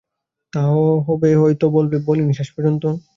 তা হবে হয়তো বলব বলে বলিনি শেষ পর্যন্ত?